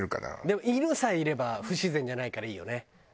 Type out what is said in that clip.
でも犬さえいれば不自然じゃないからいいよね。